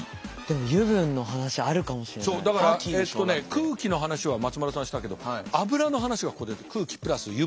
空気の話は松丸さんしたけど油の話がここで空気プラス油分。